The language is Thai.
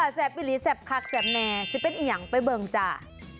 แซ่บปิลีแซ่บคักแสบแน่จะเป็นเอียงไปเบิงจ้า